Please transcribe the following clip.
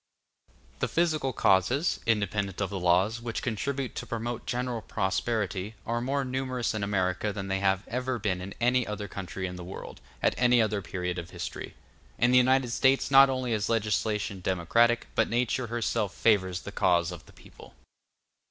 The physical causes, independent of the laws, which contribute to promote general prosperity, are more numerous in America than they have ever been in any other country in the world, at any other period of history. In the United States not only is legislation democratic, but nature herself favors the cause of the people.